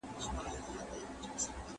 د پېغلوټو تر پاپیو به شم لاندي